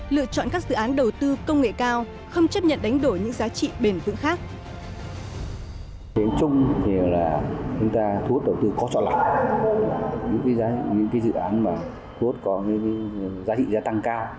lựa chọn các dự án đầu tư công nghệ cao không chấp nhận đánh đổi những giá trị bền vững khác